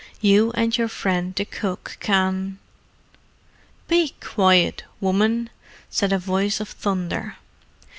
You and your friend the cook can——" "Be quiet, woman!" said a voice of thunder.